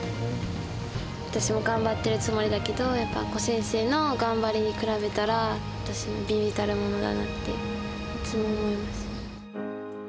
私も頑張ってるつもりだけど、やっぱ明子先生の頑張りに比べたら、私のは微々たるものだなっていつも思います。